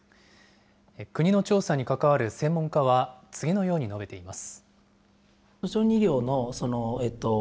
国の調査に関わる専門家は、次のように述べています。